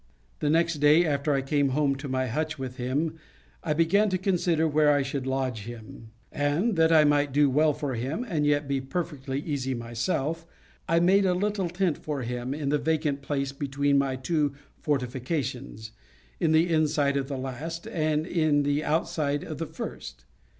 The next day, after I came home to my hutch with him, I began to consider where I should lodge him; and that I might do well for him and yet be perfectly easy myself, I made a little tent for him in the vacant place between my two fortifications, in the inside of the last, and in the outside of the first.